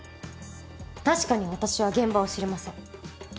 確かに私は現場を知りません。